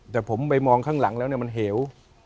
แต่ผมไปมองข้างหลังแล้วเนี่ยมันเหี่ยว